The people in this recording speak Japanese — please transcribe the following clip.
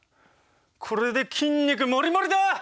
これで筋肉モリモリだ！